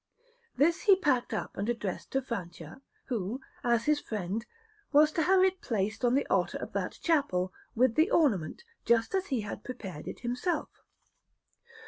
This he packed up and addressed to Francia, who, as his friend, was to have it placed on the altar of that chapel, with the ornament, just as he had prepared it himself.